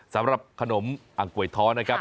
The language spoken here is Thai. สำหรับขนมอังก๋วยท้อนะครับ